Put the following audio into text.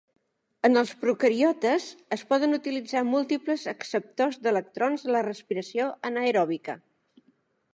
En els procariotes, es poden utilitzar múltiples acceptors d'electrons a la respiració anaeròbica.